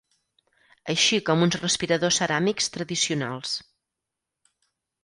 Així com uns respiradors ceràmics tradicionals.